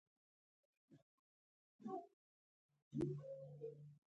په شل کلنه دوره کې قلمرو رسېدی.